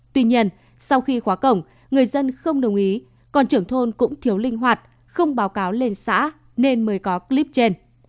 tuy nhiên sau khi khóa cổng người dân không đồng ý còn trưởng thôn cũng thiếu linh hoạt không báo cáo lên xã nên mới có clip trên